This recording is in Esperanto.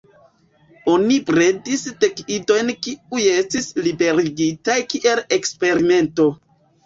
Oni bredis dek idojn kiuj estis liberigitaj kiel eksperimento.